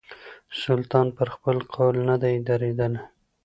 سلطان پر خپل قول نه دی درېدلی.